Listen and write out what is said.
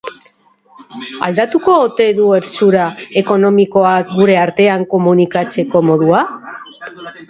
Aldatu ote du herstura ekonomikoak gure artean komunikatzeko modua?